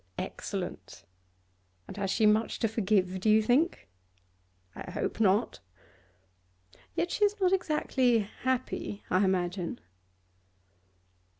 'Excellent! And has she much to forgive, do you think?' 'I hope not.' 'Yet she is not exactly happy, I imagine?